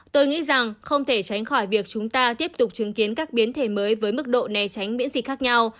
tôi nghĩ rằng không thể tránh khỏi việc chúng ta tiếp tục chứng kiến các biến thể mới với mức độ né tránh miễn dịch khác nhau